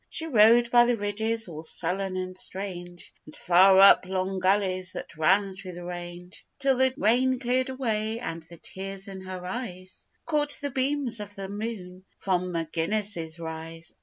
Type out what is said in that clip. She rode by the ridges all sullen and strange, And far up long gullies that ran through the range, Till the rain cleared away, and the tears in her eyes Caught the beams of the moon from Maginnis's Rise.